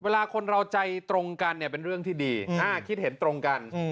เวลาคนเราใจตรงกันเนี่ยเป็นเรื่องที่ดีคิดเห็นตรงกัน